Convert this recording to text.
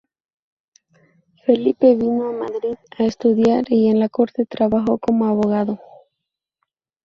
Felipe vino a Madrid a estudiar y en la corte trabajó como abogado.